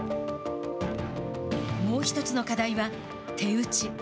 もう一つの課題は手打ち。